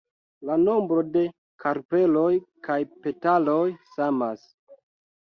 La nombro de karpeloj kaj petaloj samas.